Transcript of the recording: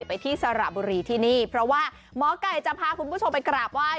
ไปที่สระบุรีที่นี่เพราะว่าหมอไก่จะพาคุณผู้ชมไปกราบไหว้